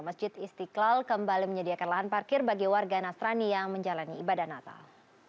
masjid istiqlal kembali menyediakan lahan parkir bagi warga nasrani yang menjalani ibadah natal